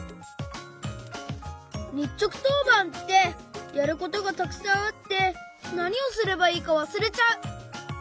にっちょくとうばんってやることがたくさんあってなにをすればいいかわすれちゃう！